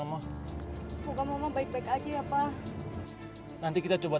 oh saya tahu mari kita